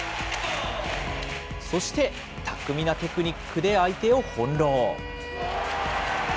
そして巧みなテクニックで相手を翻弄。